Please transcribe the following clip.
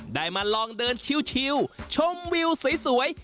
ได้มาลองเดินชิวชมวิวสวย